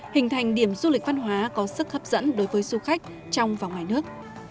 hình thành điểm du lịch văn hóa có sức hấp dẫn đối với du khách trong và ngoài nước